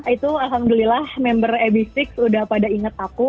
itu alhamdulillah member ab enam sudah pada inget aku